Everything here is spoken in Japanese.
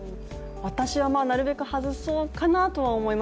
私は、なるべくはずそうかなとは思います。